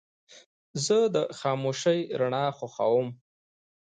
زه د خاموشې رڼا خوښوم.